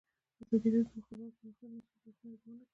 ازادي راډیو د د مخابراتو پرمختګ د مثبتو اړخونو یادونه کړې.